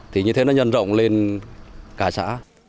thì như thế nó nhân rộng lên cả xã